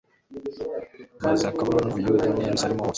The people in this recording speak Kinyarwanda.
maze akabohora ubuyuda n'i Yerusalemu hose.